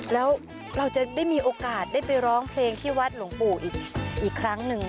แล้วเราจะได้มีโอกาสได้ไปร้องเพลงที่วัดหลวงปู่อีกครั้งหนึ่ง